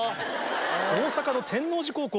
大阪の天王寺高校